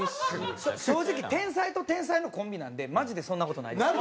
正直天才と天才のコンビなんでマジでそんな事ないです。